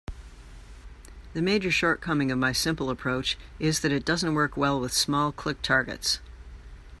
The major shortcoming of my simple approach is that it doesn't work well with small click targets.